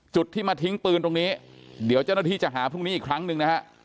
จุดที่มาทิ้งปืนตรงนี้เดี๋ยวเจ้าหน้าที่จะหาพรุ่งนี้อีกครั้งหนึ่งนะฮะ